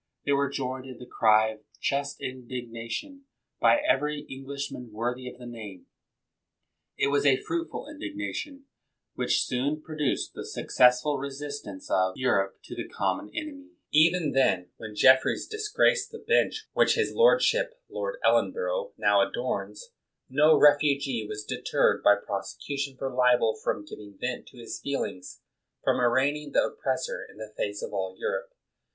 They were joined in the cry of just indignation by every Englishman worthy of the name. It was a fruitful indignation, which soon produced the successful resistance of > Charles IL and James n. 103 THE WORLD'S FAMOUS ORATIONS Europe to the common enemy. Even then, when Jeffreys disgraced the bench which his lord ship [Lord Ellenborough] now adorns, no ref ugee was deterred by prosecution for libel from giving vent to his feelings, from arraigning the oppressor in the face of all Europe.